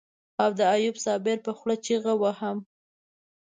او د ايوب صابر په خوله چيغه وهم.